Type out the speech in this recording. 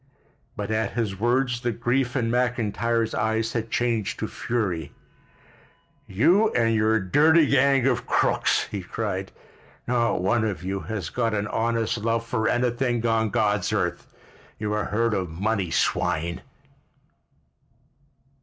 But at his words the grief in McIntyre's eyes had changed to fury. "You and your dirty gang of crooks!" he cried. "Not one of you has got an honest love for anything on God's earth! You're a herd of money swine!"